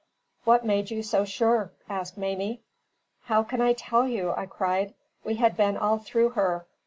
"What made you so sure?" asked Mamie. "How can I tell you?" I cried. "We had been all through her.